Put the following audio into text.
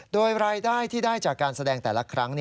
โดยรายได้ที่ได้จากการแสดงแต่ละครั้ง